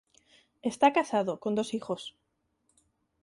Está casado, con dos hijos.